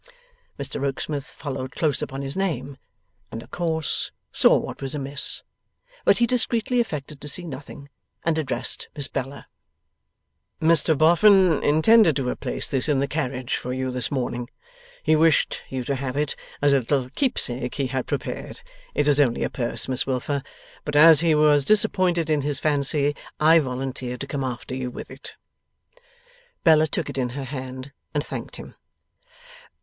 Mr Rokesmith followed close upon his name, and of course saw what was amiss. But he discreetly affected to see nothing, and addressed Miss Bella. 'Mr Boffin intended to have placed this in the carriage for you this morning. He wished you to have it, as a little keepsake he had prepared it is only a purse, Miss Wilfer but as he was disappointed in his fancy, I volunteered to come after you with it.' Bella took it in her hand, and thanked him.